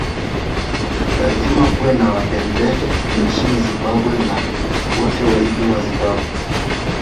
Lazima kuwe na Wandebele nchini Zimbabwe na wote waitwe Wazimbabwe